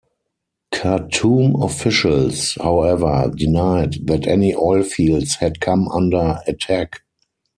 Khartoum officials, however, denied that any oil fields had come under attack.